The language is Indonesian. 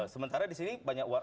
sementara di sini banyak